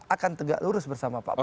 akan tegak lurus bersama pak prabowo